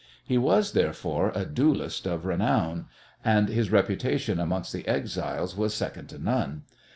He was, therefore, a duellist of renown, and his reputation amongst the exiles was second to none.